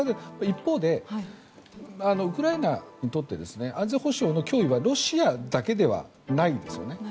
一方でウクライナにとって安全保障の脅威はロシアだけではないんですね。